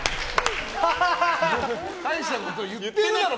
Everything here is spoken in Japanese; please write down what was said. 大したこと言ってるだろ！